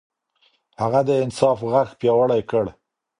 هغه د انصاف غږ پياوړی کړ.